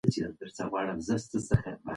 هغه به تر غرمه انتظار ایستلی وي.